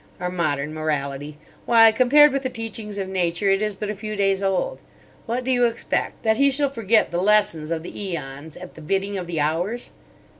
Our modern morality! Why, compared with the teachings of nature, it is but a few days old. What do you expect? That he shall forget the lessons of the æons at the bidding of the hours?"